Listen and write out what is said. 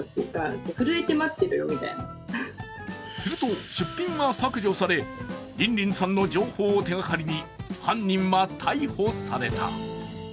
すると、出品が削除されＲＩＮＲＩＮさんさんの情報を手がかりに犯人は逮捕された。